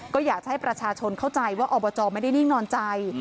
ก็อยากจะให้ประชาชนเข้าใจว่าอบจไม่ได้นิ่งนอนใจ